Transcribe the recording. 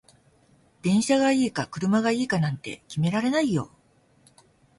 電車がいいか車がいいかなんて決められないよ